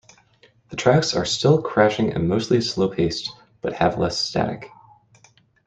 The tracks are still crashing and mostly slow-paced, but have less static.